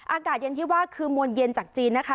อากาศเย็นที่ว่าคือมวลเย็นจากจีนนะคะ